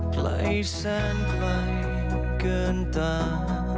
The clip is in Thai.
ไกลแสนไกลเกินตา